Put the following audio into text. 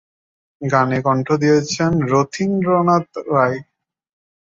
গানে কণ্ঠ দিয়েছেন রথীন্দ্রনাথ রায়।